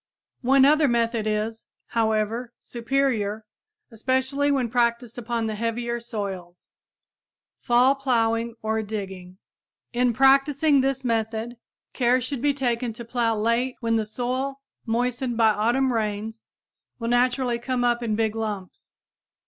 One other method is, however, superior especially when practiced upon the heavier soils fall plowing or digging. In practicing this method care should be taken to plow late when the soil, moistened by autumn rains, will naturally come up in big lumps.